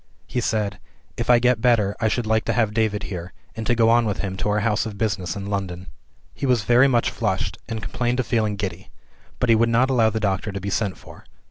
He said, "If I get better I should like to have David here, and to go on with him to our house of business in London." He was very much flushed, and complained of feeling giddy; but he would not allow the doctor to be sent for.